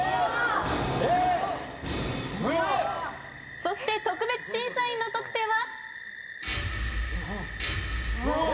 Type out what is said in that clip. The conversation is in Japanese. そして特別審査員の得点は？